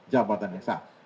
jabatan yang sah